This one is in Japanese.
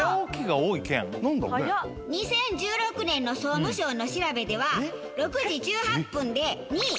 ２０１６年の総務省の調べでは６時１８分で２位。